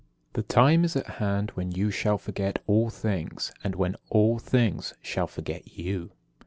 21. The time is at hand when you shall forget all things, and when all shall forget you.